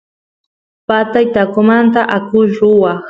patay taqomanta akush ruwaq